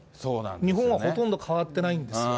日本はほとんど変わってないんですよ。